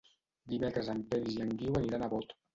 Dimecres en Peris i en Guiu aniran a Bot.